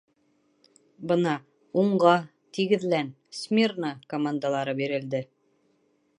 Бына: «Уңға, тигеҙлән!», «Смирно!» командалары бирелде.